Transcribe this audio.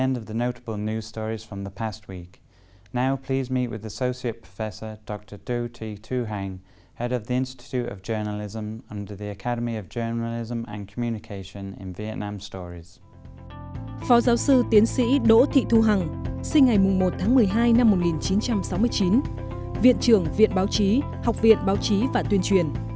đỗ thị thu hằng sinh ngày một tháng một mươi hai năm một nghìn chín trăm sáu mươi chín viện trưởng viện báo chí học viện báo chí và tuyên truyền